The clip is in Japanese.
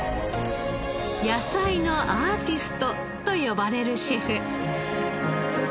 「野菜のアーティスト」と呼ばれるシェフ。